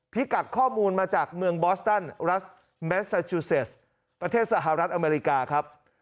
พิกัดข้อมูลมาจากเมืองบอสตันรัฐแมสซาจูเซสประเทศสหรัฐอเมริกาครับ